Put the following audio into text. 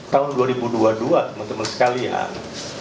tahun dua ribu dua puluh dua teman teman sekalian